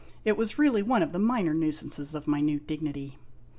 It was really one of the minor nuisances of my new dignity.